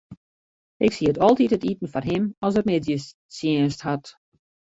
Ik sied altyd it iten foar him as er middeistsjinst hat.